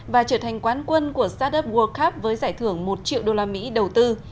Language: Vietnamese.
và trở thành quán quân của startup world cup với giải thưởng một triệu usd đầu tư